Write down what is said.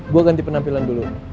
gue ganti penampilan dulu